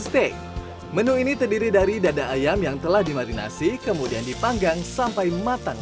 steak menu ini terdiri dari dada ayam yang telah dimarinasi kemudian dipanggang sampai matang